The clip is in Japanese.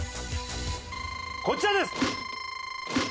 こちらです！